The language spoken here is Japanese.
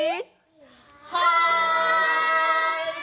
はい！